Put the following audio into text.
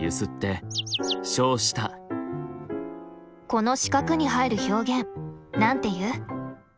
この四角に入る表現なんて言う？